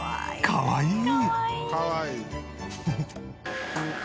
かわいい！